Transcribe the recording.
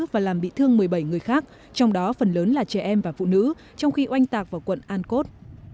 và làm bị thương một mươi bảy người khác trong đó phần lớn là trẻ em và phụ nữ trong khi oanh tạc vào quận an cốt